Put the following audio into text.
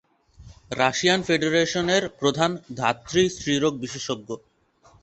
Russian ফেডারেশনের প্রধান ধাত্রী-স্ত্রীরোগ বিশেষজ্ঞ।